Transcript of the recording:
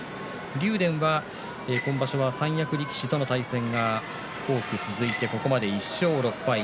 竜電は今場所は三役力士との対戦が多く続いてここまで１勝６敗。